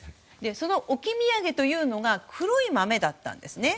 その置き土産というのが黒い豆だったんですね。